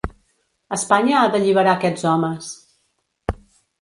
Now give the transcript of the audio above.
Espanya ha d’alliberar aquests homes.